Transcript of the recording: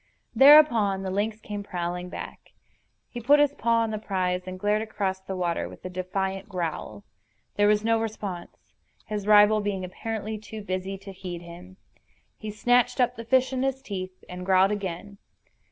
Thereupon the lynx came prowling back. He put his paw on the prize, and glared across the water with a defiant growl. There was no response, his rival being apparently too busy to heed him. He snatched up the fish in his teeth, and growled again.